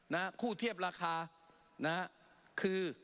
นะฮะคู่เทียบราคานะฮะคือ